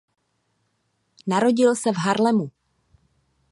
Narodil se v Haarlemu.